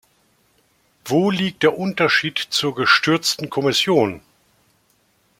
Wo liegt der Unterschied zur gestürzten Kommission?